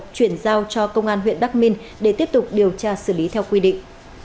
chuyển giao cho công an huyện bắc minh để tiếp tục điều tra xử lý theo quy định